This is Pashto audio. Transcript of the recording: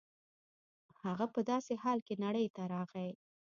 هغه په داسې حال کې نړۍ ته راغی